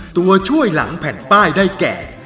ตัวช่วยหลังแผ่นป้ายได้แก่